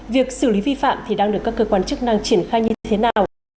việc xử lý vi phạm thì đang được các cơ quan chức năng triển khai như thế nào